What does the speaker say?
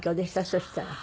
そしたら。